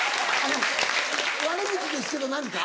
悪口ですけど何か？